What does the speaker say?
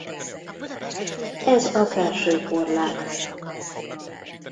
Ez a felső korlát.